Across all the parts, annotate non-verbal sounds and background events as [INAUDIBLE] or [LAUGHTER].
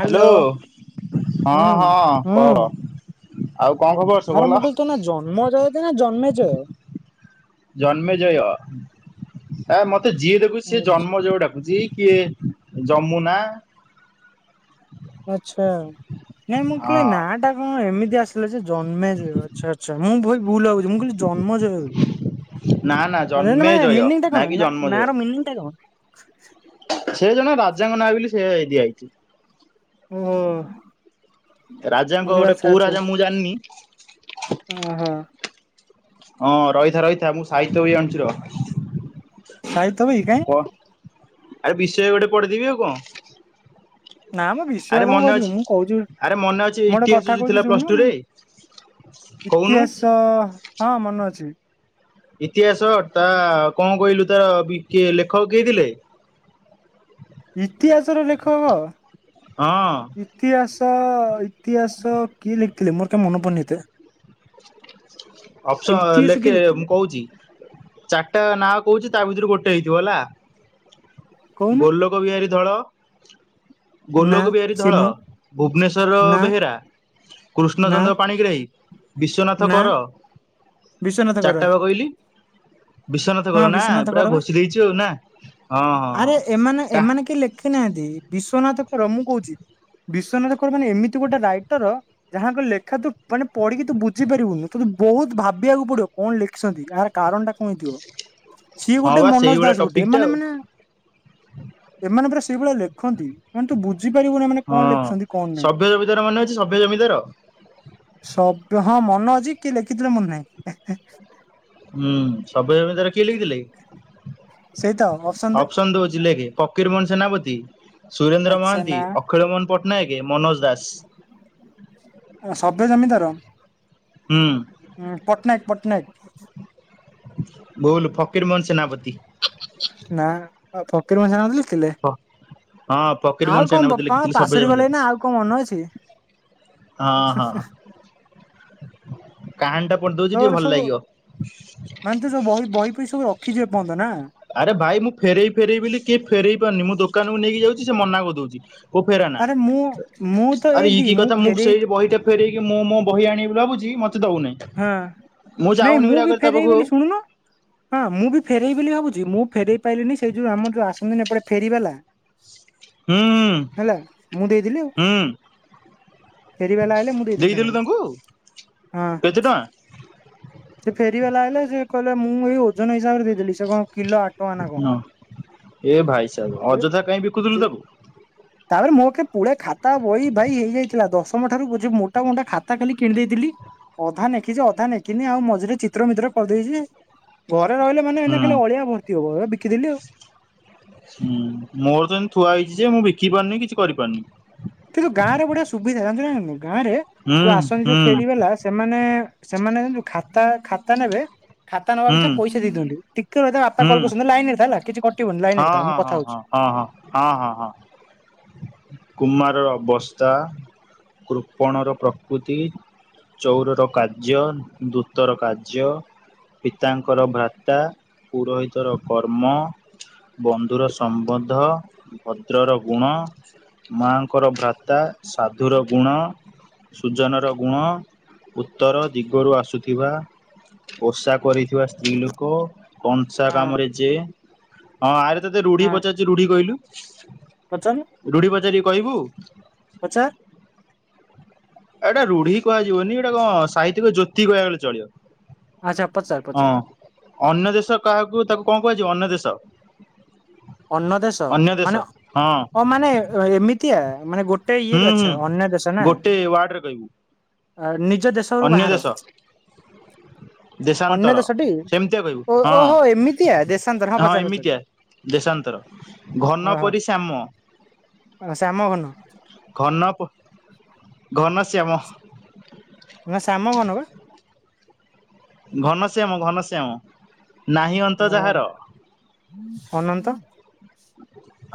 Hello ହଁ ହୁଁ ହଁ ହୁଁ କଅ, ଆଉ କଣ ଖବର? ସବୁ ଆରେ ଭଲ? ମୁଁ କହୁଛି ତୋନା ଜନ୍ମଜ ନା ଜନ୍ମେଜ? ଜନ୍ମେ ଜୟ ଆ ମତେ ଯିଏ ଦେଖୁଛି ସିଏ ଜନ୍ମ ଜୟ ଡାକୁଛି କିଏ ଯମୁନା। ଆଚ୍ଛା ନାଇଁ ମୁଁ ହଁ କହିଲି ନା ଟା ହଁ ଏମିତି ଆସିଲା ଯେ ଜନ୍ମେ ଯିବ ଆଚ୍ଛା ଆଚ୍ଛା ମୁଁ ଭାଇ ଭୁଲ୍ ଭାବୁ ମୁଁ କହିଲି ଜନ୍ମ ଜୟ ନା ନା ବୋଲି ଏ ଜନ୍ମେଜୟ ମିନି ଟା କଣ କି ନା ଜନ୍ମଜୟ ନା ର ମିନିଂ ଟା କଣ? ସେ ଜଣେ ରାଜାଙ୍କ ନାଁ ବୋଲି ସେଇଆ ଦିଆ ହେଇଛି। ଓହୋ ମୁଁ ରାଜାଙ୍କ କହିଲି ଗୋଟେ ଆଚ୍ଛା କୋଉ ଆଚ୍ଛା ରାଜା ମୁଁ ଜାଣିନି। ଓହୋ ହଁ ରହିଥା ରହିଥା ମୁଁ ସାହିତ୍ୟ ବିହି ଆଣୁଛି ରହ। ସାହିତ୍ୟ ବହି କାଇଁ? କ ଆରେ ବିଷୟ ଗୋଟେ ପଢେଇଦେବି ଆଉ କଣ। ନାମ ବିଷ ଆରେ ମନେ ଅଛି ଆରେ ମନେ ଅଛି ମୁଁ ଗୋଟେ କଥା ଇତିହାସ ଯୋଉ କହୁଛି ଥିଲା ପ୍ଲସ ଟୁ ଶୁଣୁନୁ ରେ। କହୁନୁ। ତ ହଁ ମନେ ଅଛି। ଇତିହାସ ଟା କଣ କହିଲୁ ତାର କି ଲେଖକ କିଏ ଥିଲେ? ଇତିହାସ ର ଲେଖକ। ହଁ। ଇତିହାସ ଇତିହାସ କିଏ ଲେଖିଥିଲେ ମୋର ତ ମନ ପଡୁନି ହେତେ। ଅପସ ଇତିହାସ କିଏ ଲେଖେ ମୁଁ ଲେଖିଥିଲେ କହୁଛି ଚାରିଟା ନାଁ କହୁଛି ତା ଭିତରୁ ଗୋଟେ ହେଇଥିବ ହେଲା। କହୁନୁ? ଗୋଲୋକ ବିହାରୀ ଧଳ। ନା ଗୋଲୋକ ବିହାରୀ ସିଏ ଧଳ ନୁହଁ ନା ଭୁବନେଶ୍ୱର ବେହେରା। ନା କୃଷ୍ଣଚନ୍ଦ୍ର ପାଣିଗ୍ରାହୀ ବିଶ୍ଵନାଥ କର। ବିଶ୍ୱନାଥ କର। ବିଶ୍ୱନାଥ ହଁ କର ନା ବିଶ୍ଵନାଥ ପୁରା କର ବା। ଘୋଷି ଦେଇଛୁ ଆଉ ନା। ହଁ ହଁ ଆରେ ହଁ ଏମାନେ କା ଏମାନେ କେଇ ଲେଖି ନାହାନ୍ତି। ବିଶ୍ଵନାଥ କର ମୁଁ କହୁଛି। ବିଶ୍ଵନାଥ କର ମାନେ ଏମିତି ଗୋଟେ ରାଇଟର ଯାହାଙ୍କ ଲେଖା ତୁ ମାନେ ପଢିକି ତୁ ବୁଝିପାରିବୁନୁ। ତତେ ବୋହୁତ ଭାବିବାକୁ ପଡିବ କଣ ଲେଖିଛନ୍ତି। କାହାର କାରଣ ଟା କଣ ହେଇଥିବ। ସିଏ ଗୋଟେ ହଁ ବା ମନୋଜ ଦାସ ସେଇଭଳିଆ ଗୋଟେ ଟପିକ ଟା ଏମାନେ ଆଉ। ମାନେ ଏମାନେ ପରା ସେଇଭଳିଆ ଲେଖନ୍ତି। ମାନେ ତୁ ବୁଝିପାରିବୁନୁ ଏମାନେ କଣ ହଁ ଲେଖୁଛନ୍ତି କଣ ନାହିଁ। ସଭ୍ୟ ଜମିଦାର ମନେ ଅଛି ସଭ୍ୟ ଜମିଦାର ସବ୍ୟ ହଁ ମନେ ଅଛି କିଏ ଲେଖିଥିଲେ ମନେ ନାହିଁ। ହେଁ ହେଁ। ହୁଁ ସବ୍ୟ ଜମିଦାର କିଏ ଲେଖିଥିଲେ? ସେଇତ ଅପସନ ଦେ ଅପସନ୍ ଦଉଚି ଲେଖେ। ଫକୀରମୋହନ ସେନାପତି ସୁରେନ୍ଦ୍ର ଆଚ୍ଛା ମହାନ୍ତି ନା ଅଖିଳ ମୋହନ ପଟ୍ଟନାୟକ ମନୋଜ ଦାସ। ସବ୍ୟ ଜମିଦାର। ହୁଁ। ହଁ ପଟ୍ଟନାୟକ ପଟ୍ଟନାୟକ। ଭୁଲ ଫକୀରମୋହନ ସେନାପତି। ନାଁ ଫକୀର ମୋହନ ସେନାପତି ଲେଖି ଥିଲେ। ହଁ ଫକୀର ମୋହନ ଆଉ କଣ ସେନାପତି ବୋପା ଲେଖିଥିଲି ସଭ୍ୟ ପାଶୋରି ଜମିଦାର ଗଲେଣି ନା ଆଉ କଣ ମନେ ଅଛି। ହଁ ହଁ କାହାଣୀ ଟା ପଢ଼ି ଦଉଛି ତୋର ଟିକେ ଭଲ ସବୁ ଲାଗିବ। ମାନେ ତୁ ସେ ବହି ବହିଫଇ ସବୁ ରଖିଚୁ ଏପର୍ଯ୍ୟନ୍ତ ନାଁ। ଆରେ ଭାଇ ମୁଁ ଫେରଇବି ଫେରଇବି ବୋଲିି କିଏ ଫେରଇ ପାରୁନି। ମୁଁ ଦୋକାନ କୁ ନେଇକି ଯାଉଚି ସେ ମନା କରିଦଉଚି। ହଉ ଫେରାନା ଆରେ ମୁଁ ମୁଁ ତ ଆରେ ଇଏ ଏଇଦି କି କଥା ମୁଁ ଫେରେଇ ସେଇ ବହିଟା ଫେରେଇକି ମୁଁ ମୋ ବହି ଆଣିବି ଭାବୁଛି ମତେ ଦଉନାହିଁ। ହଁ ନାଇଁ ଯାଉନି ମୁଁ ବି ରାଗରେ ତା ଫେରେଇବି ପାଖକୁ ଆଉ ବୋଲି ଶୁଣୁନୁ। ହଁ ମୁଁ ବି ଫେରେଇବି ବୋଲି ଭାବୁଛି। ମୁଁ ଫେରେଇ ପାଇଲିିନି ସେଇ ଯୋଉ ଆମର ଯୋଉ ଆସନ୍ତିନି ଏପଟେ ଫେରିବାଲା। ହୁଁ ହେଲା ମୁଁ ଦେଇଥିଲି ଆଉ। ହୁଁ ଫେରି ବାଲା ଆଇଲେ ମୁଁ ଦେଇଥିଲି ଦେଇଦେଲୁ ତାଙ୍କର ତାଙ୍କୁ କେତେ ହଁ। ଟଙ୍କା ସେ ଫେରିବାଲା ଆଇଲେ ସେ କହିଲେ ମୁଁ ଏଇ ଓଜନ ହିସାବରେ ଦେଇଦେଲି। ସେ କଣ କିଲୋ ଆଠ ଟଙ୍କା ନା କଣ। ହଁ ଏ ଭାଇସାବ ଅଯଥା କାହିଁକି ବିକୁଥିଲୁ ସେ ତାକୁ। ତାପରେ ମୋଠେ ପୁଳେ ଖାତା ବହି ଭାଇ ହେଇଯାଇଥିଲା। ଦଶମ ଠାରୁ ବୋଝେ ମୋଟା ମୋଟା ଖାତା ଖାଲି କିଣି ଦେଇଥିଲି। ଅଧା ନେଖିଛି ଅଧା ନେଖିନି। ଆଉ ମଝିରେ ଚିତ୍ର ମିତ୍ର କରିଦେଇଛି ଘରେ ରହିଲେ ମାନେ ଏଇନେ ହୁଁ ଖାଲି ଅଳିଆ ଭର୍ତ୍ତି ହବ ସେଗୁଡା ବିକିଦେଲି ଆଉ। ହୁଁ ମୋର ତ ଏମିତି ଥୁଆ ହେଇଛି ଯେ ମୁଁ ବିକି ପାରୁନି କିଛି କରିପାରୁନି କିନ୍ତୁ ଗାଁରେ ଏଗୁଡା ସୁବିଧା ଜାଣିଚୁ ନା ଜାଣିନୁ ଗାଁରେ ହୁଁ ଯୋଉ ଆସନ୍ତି ଯୋଉ ହୁଁ ଫେରିବାଲା। ସେମାନେ ସେମାନେଜାଣିଚୁ ଖାତା ଖାତା ନେବେ। ଖାତା ନବା ହୁଁ ପିଛା ପଇସା ଦେଇ ଦିଅନ୍ତି ଟିକେ ରଇଥା ବାପା କଲ ହୁଁ କରିଛନ୍ତି ଲାଇନ ରେ ଥା ହେଲା କିଛି କ ହଁ ହଁ ହଁ ହଁ ହଁ ହଁ ହଁ ହଁ ହଁ କୁମାରର ଅବସ୍ଥା କୃପଣର ପ୍ରକୃତି ଚୱର ର କାର୍ଯ୍ୟ ଦୂତର କାର୍ଯ୍ୟ। ପିତାଙ୍କର ଭ୍ରାତା ପୁରୋହିତର କର୍ମ ବନ୍ଧୁର ସମ୍ବନ୍ଧ ଭଦ୍ରର ଗୁଣ। ମାଆଙ୍କର ଭ୍ରାତା ସାଧୁର ଗୁଣ। ସୂଜନର ଗୁଣ ଉତ୍ତର ଦିଗରୁ ଆସୁଥିବା ବସା କରିଥିବା ସ୍ତ୍ରୀ ଲୋକ କଂସା ହଁ କାମରେ ଯିଏ ହଁ ଆରେ ତତେ ରୁଢି ହଁ ପଚାରୁଚ ରୁଢି କହିଲୁ। ପଚାରୁନୁ ରୁଢି ପଚାରିବି କହିବୁ। ପଚାର ଏଇଟା ରୁଢି କୁହାଯିବନି ଏଗୁଡା କଣ ସାହିତିକ ଜୋତି କୁହାଗଲେ ଚଳିବ। ଆଚ୍ଛା ପଚାର୍ ପଚାର୍ ହଁ ଅନ୍ୟ ଦେଶ କାହାକୁ ତାକୁ କଣ କୁହାଯିବ ଅନ୍ୟ ଦେଶ। ଅର୍ଣ୍ଣ ଦେଶ ଅନ୍ୟ ଦେଶ ମାନେ ହଁ ଓ ମାନେ ଏମିତିଆ ମାନେ ଗୋଟେ ଗୋଟେ ହୁଁ ଇଏରେ ହୁଁ ଅଛ ଅନ୍ୟ ଦେଶ ନା ଗୋଟେ ୱାର୍ଡରେ କହିବୁ ନିଜ ଦେଶରୁ ଅନ୍ୟ ବାହାର। ଦେଶ ଅନ୍ୟ ଦେଶାନ୍ତର ଦେଶଟି ସେମିତିଆ କହିବୁ ଓହୋ ହଁ ହୋ ଏମିତିଆ ଦେଶାନ୍ତର ହଁ ପଚାର ପଚାର। ଦେଶାନ୍ତର ଘନ ଓହୋ ପରି ଶ୍ୟାମ। ଶ୍ୟାମ ଘନ ଘନ ପ ଘନଶ୍ୟାମ। ନା ଶ୍ୟାମଘନ ବା। ଘନଶ୍ୟାମ ଘନଶ୍ୟାମ। ନାହିଁ ଅନ୍ତ ଅ ହ। ଯାହାର ଅନନ୍ତ?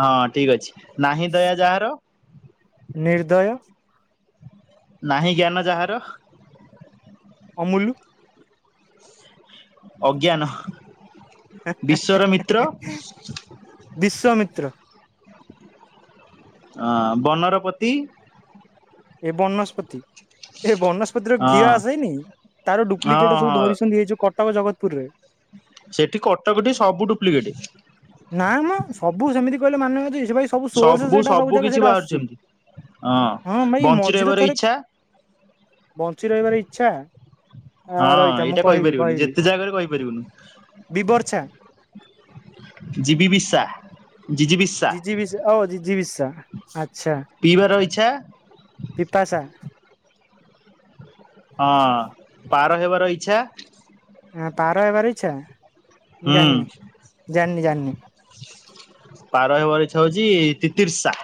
ହଁ ଠିକ ଅଛି। ନାହିଁ ଦୟା ଯାହାର? ନିର୍ଦ୍ଦୟ। ନାହିଁ ଜ୍ଞାନ ଯାହାର? ଅମୁଲୁ। ଅଜ୍ଞାନ। ବିଶ୍ଵର ମିତ୍ର? ବିଶ୍ୱାମିତ୍ର। ଅ ବନର ପତି? ଏ ବନସ୍ପତି। ଏ ବନସ୍ପତିର ଘିଅ ହଁ ଆସେନି, ତାର ହଁ ଡୁପ୍ଲିକେଟ ସବୁ ହଁ ଧରିଛନ୍ତି ଏଇ ଯୋଉ କଟକ ଜଗତପୁରରେ। ସେଠି କଟକ ଠି ସବୁ ଡୁପ୍ଲିକେଟ। ନା ମ ସବୁ ସେମିତି କହିଲେ ମାନେ ଅଛି ସେଥି ପାଇଁ ସବୁ ସୋର୍ସ ସେଇଟା ସବୁ ଜାଗା ସେଇଟା ଆସୁଛି। ହଁ ଭାଇ ବଞ୍ଚି ମଝିରେ ରହିବାର ଥରେ ଇଚ୍ଛା ବଞ୍ଚି ରହିବାର ଇଚ୍ଛା? ହଁ ରହିଥା ମୁଁ ଏଇଟା କହିବି କହିପାରିବୁନି, କହିବି ଯେତେ ଯାହା କରେ କହିପାରିବୁନୁ। ବିବର୍ଷା ଜୀବି ବିଶା। ଜିଜି ବିସ୍ ଜିଜିବିଶା ଅ ଜିଜିବିଶା ଆଚ୍ଛା। ପିଇବାର ଇଚ୍ଛା ପିତାଶା। ହଁ ପାର ହେବାର ଇଚ୍ଛା ହଁ ପାର ହେବାର ଇଛା, ମୁଁ ହୁଁ ଜାଣିନି ଜାଣିନି ଜାଣିନି। ପାର ହେବାର ଇଛା ହଉଚି ତିତିର୍ଷା।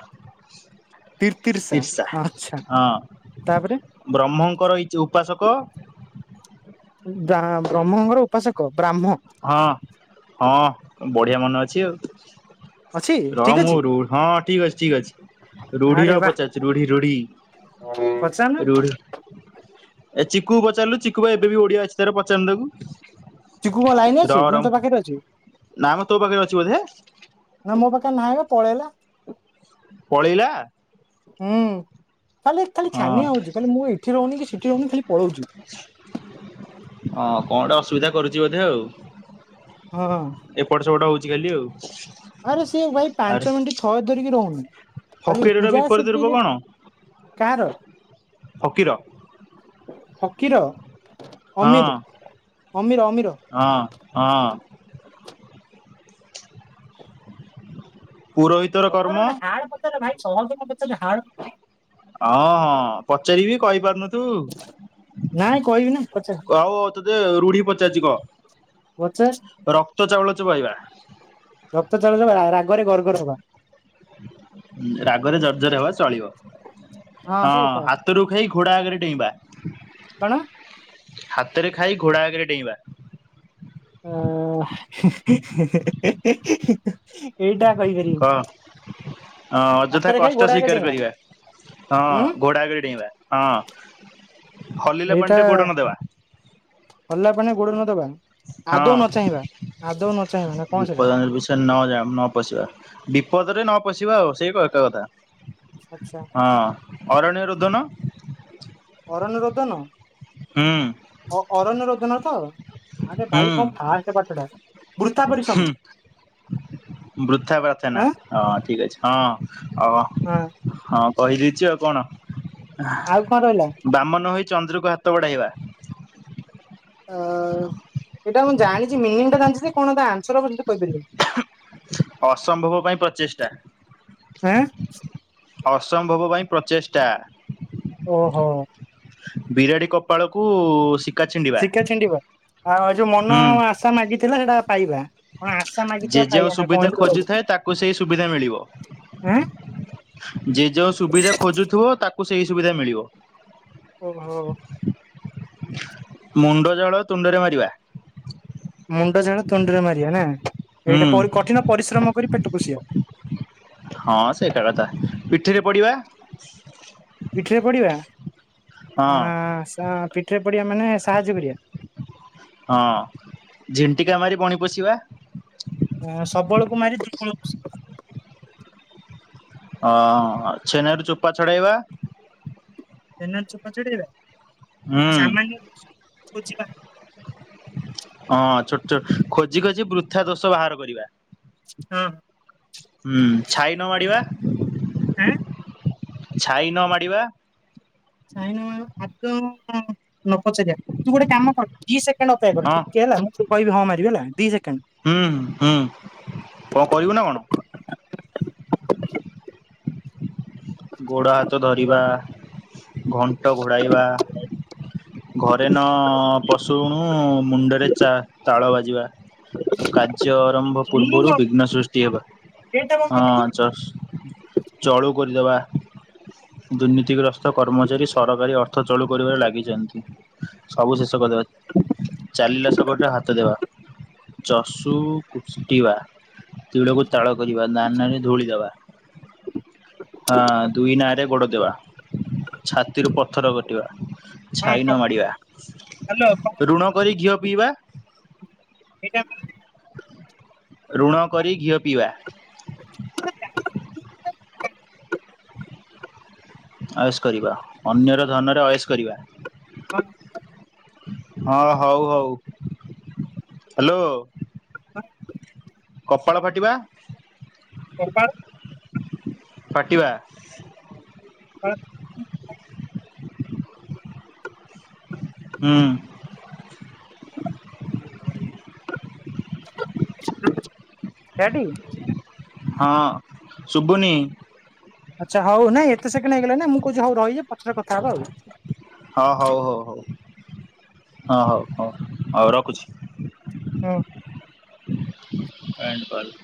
ତିର୍ତିର୍ଶା ତିର୍ଷା ଆଛା ହଁ ତାପରେ? ବ୍ରହ୍ମଙ୍କର ଇ ଉପାସକ ଦା ବ୍ରହ୍ମଙ୍କର ଉପାସକ ବ୍ରାହ୍ମ। ହଁ ହଁ ବଢିଆ ମନେ ଅଛି ଆଉ। ଅଛି ର ଠିକ ମ ଅଛି ରୁ ହଁ ଠିକ୍ ଅଛି ଠିକ୍ ଅଛି। ରୁଢିର ପଚାରୁଚି ରୁଢି ରୁଢି? ପଚାରୁନ। ରୁଢି ଏ ଚିକୁ କୁ ପଚାରିଲୁ ଚିକୁୁ ବା ଏବେ ବି ଓଡିଆ ଅଛି ତାର ପଚାରୁନୁ ତାକୁ। ଚିକୁ କଣ ଲାଇନରେ ଅଛି ରହ ନା ରହ ତୋ ପାଖରେ ଅଛି? ନା ମ ତୋ ପାଖରେ ଅଛି ବୋଧେ ନା ମୋ ପାଖରେ ନାହିଁ ବା ପଳେଇଲା। ପଳେଇଲା? ହୁଁ ଖାଲି ଖାଲି ହଁ ଛାନିଆ ହଉଛି ଖାଲି ମୁଁ ଏଠି ରହୁନି କି ସେଠି ରହୁନି ଖାଲି ପଳଉଚି। ହଁ କଣ ଗୋଟେ ଅସୁବିଧା କରୁଚି ବୋଧେ ଆଉ। ହଁ ଏପଟ ସେପଟ ହଉଚି ଖାଲି ଆଉ ଆରେ ସିଏ ଭାଇ ପାଞ୍ଚ ଆରେ ମିନିଟ୍ ଥୟ ଧରିକି ରହୁନି। ଖାଲି ଫକୀରର ଇପିଜା ବିପରୀତ ରୂପ ସିିପିଜା କଣ କାହାର? ଫକୀର ଫକୀର, ହଁ ଅମିର୍ ଅମିର ଅମିର। ହଁ ହଁ। ପୁରୋହି ପଚାର ଗୋଟେ ହାଡ ପଚାରରେ ଭାଇ ସହଜ କଣ ପଚାରୁଚଚୁ ହାଡ୍ ହଁ ହଁ ପଚାରିବି କହିପାରୁନଥିବୁ ନାଇଁ କହିବି ନା ପଚାର କଉ ମୁଁ ତତେ ରୁଢି ପଚାରୁଚି କହ ପଚାର ରକ୍ତ ଚାଉଳ ଚୋବାଇବା। ରକ୍ତ ଚାଉଳ ଚୋବେଇବା ରାଗରେ ଗର୍ଗର ହବା। ରାଗରେ ଜର୍ଜର ହବା ଚଳିବ। ହଁ ହାତରୁ ଖାଇ ଘୋଡ଼ା ଆଗରେ ଡେଇଁବା। କଣ ହାତରେ ଖାଇ ଘୋଡା ଆଗରେ ଡେଇଁବା। ଅଁ ଏଇଟା କହିପାରିବିନି। ହଁ ଅଯଥା କଷ୍ଟ ଆଗେ ସ୍ଵୀକାର ଡେଇଁବା କରିବା ଉଁ ହଁ ଘୋଡା ଆଗରେ ଡେଇଁବା। ହଁ। ହଲିଲା ଏଇଟା ପାଣିରେ ଗୋଡ ନ ଦେବା ହଲା ପାଣି ରେ ଗୋଡ ନ ଦବା। ଆଦୌ ନ ହଁ ଚାହିଁବା ଆଦୌ ନ ଚାହିଁବା ନା କଣ ସେଟା? ସେ ନ ଯା ନ ପଶିବା ବିପଦରେ ନ ପଶିବା ଆଉ ସେଇ କ ଏକ କଥା। ଆଚ୍ଛା ହଁ ଅରଣ୍ୟ ରୁଧନ। ଅରଣ୍ୟ ରୋଦନ? ହୁଁ। ଅ ଅରଣ୍ୟ ରୋଦନ ତ? ଆରେ ଭାଇ ହୁଁ କଣ ଫାଷ୍ଟ ପାଠ ଟା ବୃଥା ପରିଶ୍ରମ। ବୃଥା ପ୍ରାର୍ଥନା ଆଁ ହଁ ଠିକ୍ ଅଛି ହଁ ଅ ହଁ। ହଁ କହିଦେଇଚି ଆଉ କଣ, ଆଉ କଣ ରହିଲା ବାମନ ହୋଇ ଚନ୍ଦ୍ରକୁ ହାତ ବଢାଇବା। ତ ଏଇଟା ମୁଁ ଜାଣିଚି ମିନିଙ୍ଗଟା ଜାଣିଚି ଯେ କଣ ତା ଆନ୍ସର ହବ କିନ୍ତୁ କହିପାରିବିନି। ଅସମ୍ଭବ ପାଇଁ ପ୍ରଚେଷ୍ଟା। ହେଁ। ଅସମ୍ଭବ ପାଇଁ ପ୍ରଚେଷ୍ଟା। ଓ ହୋ। ବିରାଡି କପାଳକୁ ଶି ଶିକା ଛିଣ୍ଡିବ ଆଉ ଏ ଯୋଉ ମନ ହୁଁ ଆଶା ମାଗିଥିଲା ସେଟା ପାଇବା। କଣ ଆଶା ଯେ ମାଗିଥିବା ଯେଉଁ ପାଇବା ନା କଣ ସୁବିଧା ଏମିତି ଗୋଟେ ଅଛି। ଖୋଜୁଥାଏ ତାକୁ ସେଇ ସୁବିଧା ମିଳିବ। ଆଁ ଯେ ଯୋଉ ସୁବିଧା ଖୋଜୁଥିବ ତାକୁ ସେଇ ସୁବିଧା ମିଳିବ। ଓ ହୋ। ମୁଣ୍ଡ ଜଳ ତୁଣ୍ଡରେ ମାରିବା। ମୁଣ୍ଡ ଝାଳ ତୁଣ୍ଡିରେ ମାରିବା ନା ଏଇଟା ହୁଁ ପରେ କଠିନ ପରିଶ୍ରମ କରି ପେଟ ପୋଷିବା। ହଁ ସେ ଏକା କଥା ପିଠିରେ ପଡିବା। ପିଠିରେ ପଡିବା ହଁ ଅ ସ ପିଠିରେ ପଡିିବା ମାନେ ସାହାଯ୍ୟ କରିବା। ହଁ ଝିଣ୍ଟିକା ମାରି ବଣି ପୋଷିବା। ହଁ ସବଳକୁ ମାରି ଦୁର୍ବଳ ପୋଷିବା। ହଁ ଛେନାରୁ ଚୋପା ଛଡାଇବା। ଛେନା ରୁ ଚୋପା ଛଡେଇବା ହୁଁ ଆଉ ସାମାନ୍ୟ ଦୋଷ ଖୋଜିବା। ହଁ ଛୋଟ ଛୋ ଖୋଜି ଖୋଜି ବୃଥା ଦୋଷ ବାହାର କରିବା। ହଁ। ହୁଁ ଛାଇ ନ ମାଡିବା। ଏଁ। ଛାଇ ନ ମାଡିବା। ଛାଇ ନ ଆତ୍ମା କୁ [UNINTELLIGIBLE] ନ ପଚାରିବା ତୁ ଗୋଟେ କାମ କର ଦି ସେକେଣ୍ଡ ଅପେକ୍ଷା କର ହଁ ଟିକେ ହେଲା ମୁଁ ତତେ କହିବି ହଁ ମାରିବି ହେଲା ଦି ସେକେଣ୍ଡ। ହୁଁଁ ହୁଁ କଣ କରିବୁ ନା କଣ? ଗୋଡ଼ ହାତ ଧରିବା, ଘଣ୍ଟ ଘୋଡାଇବା। ଘରେ ନ ପଶୁଣୁ ମୁଣ୍ଡରେ ଚା ତାଳ ବାଜିବା। କାର୍ଯ୍ୟ ଆରମ୍ଭ ପୁର୍ବୁରୁ ବିଘ୍ନ ସୃଷ୍ଟି ହେବା। ଗେଟ୍ ଟା ବନ୍ଦ କରି ହଁ ଚ ଦେଲୁ। ଚଳୁ କରିଦେବା, ଦୁର୍ନୀତିଗ୍ରସ୍ତ କର୍ମଚାରୀ ସରକାରୀ ଅ ଅର୍ଥ ଚଳୁ କରିବାରେ ଲାଗିଚନ୍ତି ସବୁ ଶେଷ କରିଦେବା ଚାଲିଲା ଶଗଡରେ ହାତ ଦେବା। ଚଷୁ କୁଷ୍ଟିବା। ତିଳକୁ ତାଳ କରିବା, ଦାନାରେ ଧୂଳି ଦେବା। ହାଁ ଦୁଇ ନାଆ ରେ ଗୋଡ଼ ଦେବା, ଛାତିରୁ ପଥର କଟିବା। ହଁ ଛାଇ ନ ମାଡିବା, ହ୍ୟାଲୋ ଋଣ କରି ଘିଅ ପିଇବା। ଏଇଟା। ଋଣ କରି ଘିଅ ପିଇବା। ଅଏସ୍ କରିବା ଅନ୍ୟର ଧନରେ ଅଏସ୍ କରିବା। [INAUDIBLE] ହଁ ହଉ ହଉ ହାଲୋ। [INAUDIBLE] କପାଳ ଫାଟିବା। କପାଳ। ପାଟିବା। ଆଁ। ହୁଁ। [UNINTELLIGIBLE] ଡାଡି। ହଁ ଶୁବୁନି। ଆଚ୍ଛା ହଉ ନାଇ ଏତେ ସେକଣ୍ଡ୍ ହେଇ ଗଲା ନା ମୁଁ କହୁଛି ହଉ ରାହିଯା। ହଁ ହଉ ହଉ ହଉ। ହଁ ହଉ ହଉ ହଉ ରଖୁଛି। ହଁ। [INAUDIBLE]